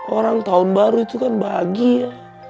orang tahun baru itu kan bahagia